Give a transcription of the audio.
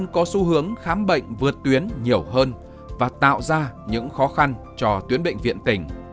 có xu hướng khám bệnh vượt tuyến nhiều hơn và tạo ra những khó khăn cho tuyến bệnh viện tỉnh